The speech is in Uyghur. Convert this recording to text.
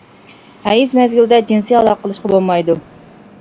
ھەيز مەزگىلىدە جىنسىي ئالاقە قىلىشقا بولمايدۇ.